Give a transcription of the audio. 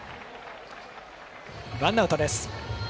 ワンアウトです。